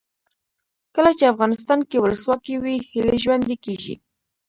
کله چې افغانستان کې ولسواکي وي هیلې ژوندۍ کیږي.